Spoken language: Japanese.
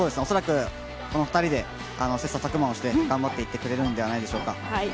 この２人で切磋琢磨して頑張っていってくれるんではないでしょうか。